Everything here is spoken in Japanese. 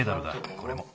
これも。